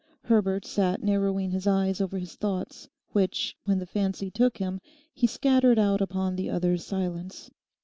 Herbert sat narrowing his eyes over his thoughts, which, when the fancy took him, he scattered out upon the others' silence.